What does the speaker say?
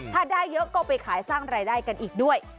ถ้าได้เยอะก็ไปขายสร้างรายได้กันอีกด้วย